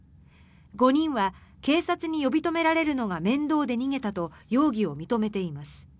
５人は警察に呼び止められるのが面倒で逃げたと容疑を認めています。